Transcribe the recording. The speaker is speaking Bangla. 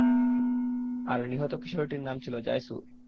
আর নিহত কিশোরটির নাম ছিল জায়সূর।